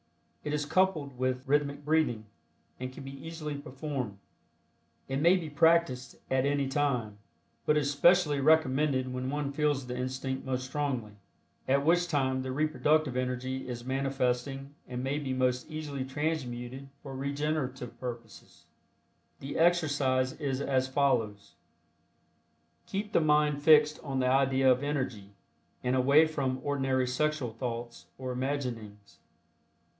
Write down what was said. It is coupled with rhythmic breathing, and can be easily performed. It may be practiced at any time, but is specially recommended when one feels the instinct most strongly, at which time the reproductive energy is manifesting and may be most easily transmuted for regenerative purposes. The exercise is as follows: Keep the mind fixed on the idea of Energy, and away from ordinary sexual thoughts or imaginings.